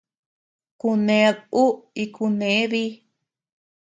Kuned uu y kunee dii.